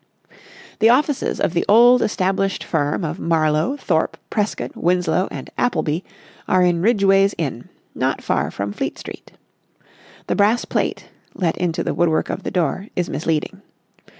The offices of the old established firm of Marlowe, Thorpe, Prescott, Winslow and Appleby are in Ridgeway's Inn, not far from Fleet Street. The brass plate, let into the woodwork of the door, is misleading.